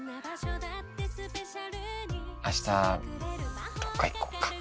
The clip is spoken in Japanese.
明日どっか行こっか。